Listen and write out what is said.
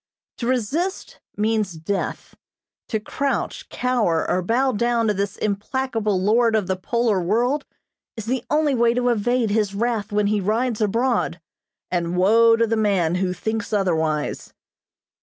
To resist means death. To crouch, cower or bow down to this implacable lord of the polar world is the only way to evade his wrath when he rides abroad, and woe to the man who thinks otherwise.